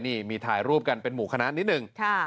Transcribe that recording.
นี่มีถ่ายรูปกันเป็นหมู่คณะนิดนึง